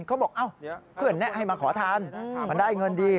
เขาบอกเพื่อนแนะให้มาขอทานมันได้เงินดี